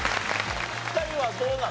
２人はどうなの？